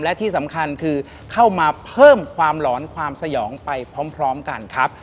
และที่สำคัญคือเข้ามาเพิ่มความหลอนความสยองไปพร้อมกันครับ